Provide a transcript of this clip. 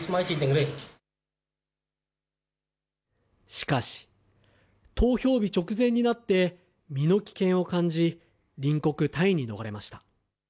しかし、投票日直前になって、身の危険を感じ、隣国タイに逃れました。